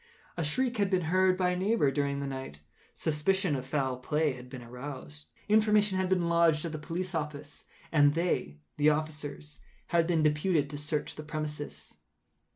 A shriek had been heard by a neighbour during the night; suspicion of foul play had been aroused; information had been lodged at the police office, and they (the officers) had been deputed to search the premises.